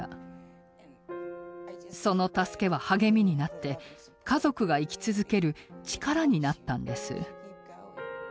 その助けは励みになって家族が生き続ける力になったんです。